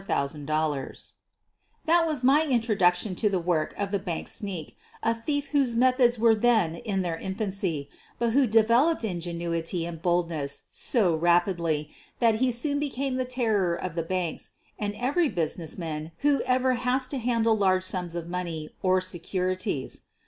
214 SOPHIE LYONS That was my introduction to the work of the "bank sneak" — a thief whose methods were then in their infancy, but who developed ingenuity and boldness so rapidly that he soon became the terror of the banks and every business man who ever has to handle large sums of money or securities.